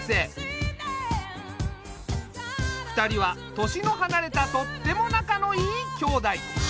２人は年の離れたとっても仲のいい兄妹。